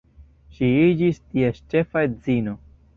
Ŝi iĝis ties ĉefa edzino.